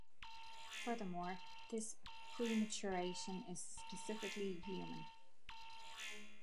Furthermore, this "prematuration" is specifically human.